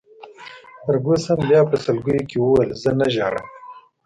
فرګوسن بیا په سلګیو کي وویل: زه نه ژاړم.